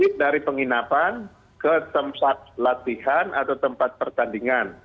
dari penginapan ke tempat latihan atau tempat pertandingan